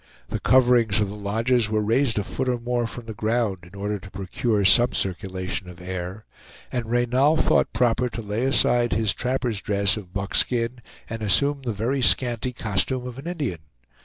The coverings of the lodges were raised a foot or more from the ground, in order to procure some circulation of air; and Reynal thought proper to lay aside his trapper's dress of buckskin and assume the very scanty costume of an Indian.